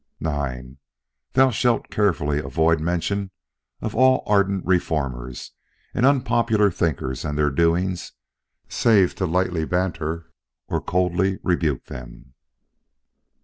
IX. Thou shalt carefully avoid mention of all ardent reformers and unpopular thinkers, and their doings, save to lightly banter or coldly rebuke them.